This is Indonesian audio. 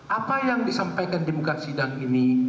apa yang disampaikan di muka sidang ini